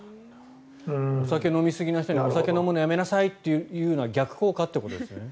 お酒を飲みすぎの人にお酒飲むのをやめなさいというのは逆効果ということですよね。